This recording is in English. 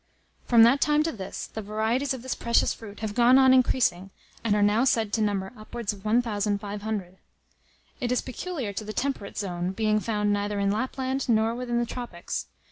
From that time to this, the varieties of this precious fruit have gone on increasing, and are now said to number upwards of 1,500. It is peculiar to the temperate zone, being found neither in Lapland, nor within the tropics.